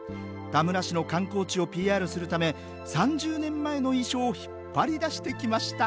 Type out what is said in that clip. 田村市の観光地をＰＲするため３０年前の衣装を引っ張り出してきました